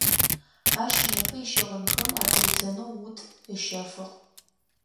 Ащ непэ ищыгъынхэм атыридзэнэу ут ыщэфыгъ.